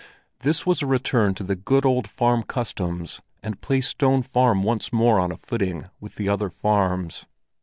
This was a return to the good old farm customs, and placed Stone Farm once more on a footing with the other farms.